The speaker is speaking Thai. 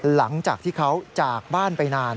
หลังจากที่เขาจากบ้านไปนาน